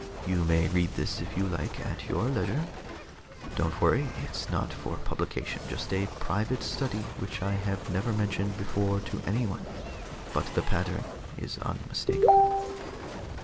"You may read this if you like, at your leisure. Don't worry, it's not for publication, just a private study which I have never mentioned before to anyone, but the pattern is unmistakable.